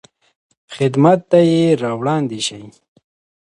خدمت ته یې راوړاندې شئ.